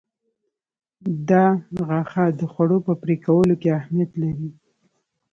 دا غاښه د خوړو په پرې کولو کې اهمیت لري.